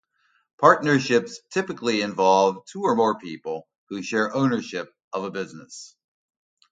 Partnerships typically involve two or more people who share ownership of a business.